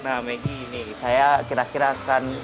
nah maggie ini saya kira kira akan